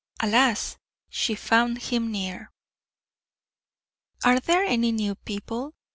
Alas! she found him near. "Are there any new people?"